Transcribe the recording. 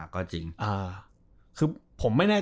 ก็จริง